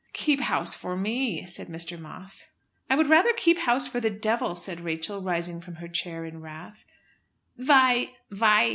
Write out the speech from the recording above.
"Keep house for me," said Mr. Moss. "I would rather keep house for the devil," said Rachel, rising from her chair in wrath. "Vy?